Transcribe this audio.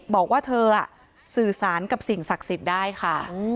บอกว่าเธอสื่อสารกับสิ่งศักดิ์สิทธิ์ได้ค่ะ